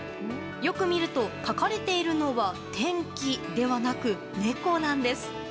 よく見ると、描かれているのは天気ではなく猫なんです。